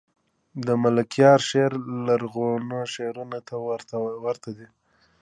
دملکیار شعر لرغونو شعرونو ته ورته دﺉ.